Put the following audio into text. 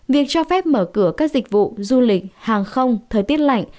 việc cho phép mở cửa các dịch vụ du lịch hàng không thời tiết lạnh